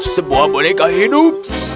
sebuah boneka hidup